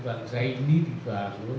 bangsa ini dibangun